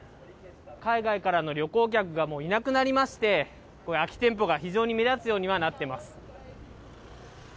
海外からの旅行客がいなくなりまして、こういう空き店舗が非常に目立つようにはなっています。